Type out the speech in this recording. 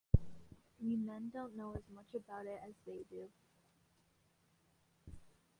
We men don't know as much about it as they do.